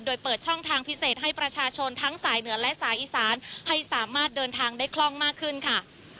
โดยเปิดช่องทางพิเศษให้ประชาชนทั้งสายเหนือและสายอีสานให้สามารถเดินทางได้คล่องมากขึ้นค่ะ